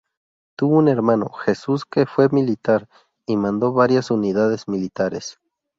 Tuvo un hermano, Jesús, que fue militar y mandó varias unidades militares.